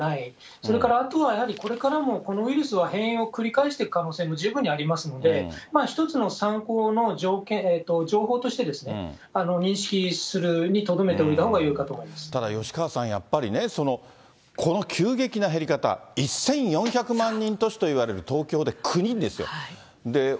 それからあとはやはり、これからもこのウイルスは変容を繰り返していく可能性も十分にありますので、一つの参考の情報として認識するにとどめておいたほうがいいかとただ吉川さん、やっぱりね、この急激な減り方、１４００万人都市といわれる東京で９人ですよ。